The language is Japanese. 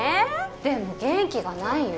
でも元気がないよ